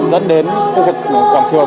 dẫn đến khu vực quảng trường